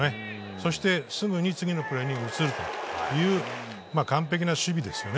そして、すぐに次のプレーに移る完璧な守備ですね。